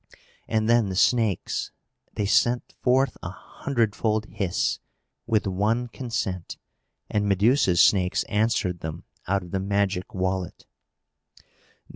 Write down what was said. And then the snakes! They sent forth a hundredfold hiss, with one consent, and Medusa's snakes answered them out of the magic wallet.